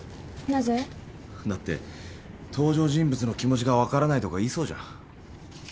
なぜ？だって登場人物の気持ちが分からないとか言いそうじゃん。